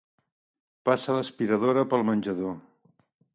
Passa l'aspiradora pel menjador.